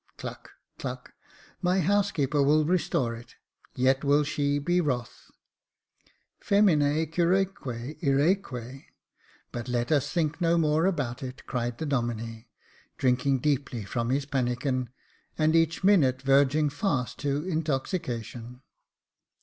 {Cluck, cluck.^ My housekeeper will restore it; yet will she be wroth. ^ Fatnina curaque iraque ;^ but let us think no more about it," cried the Domine, drinking deeply from his pannikin, and each minute Jacob Faithful 113 verging fast to intoxication.